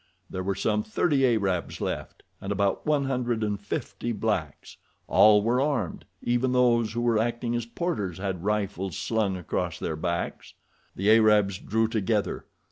There were some thirty Arabs left, and about one hundred and fifty blacks. All were armed—even those who were acting as porters had their rifles slung across their backs. The Arabs drew together.